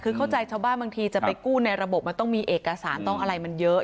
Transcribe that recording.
คือเข้าใจชาวบ้านบางทีจะไปกู้ในระบบมันต้องมีเอกสารต้องอะไรมันเยอะ